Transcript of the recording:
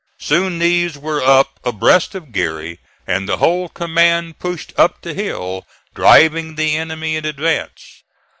Soon these were up abreast of Geary, and the whole command pushed up the hill, driving the enemy in advance.